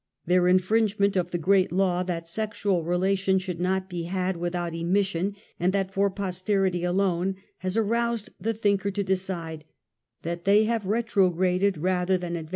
Their infringement of the great law, that sexual relation should not be had without emission, and that for posterity alone has aroused the thinker to decide that they have retrograded instead of ad SOCIAL EVIL.